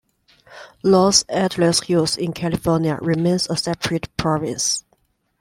Los Altos Hills in California remains a separate province.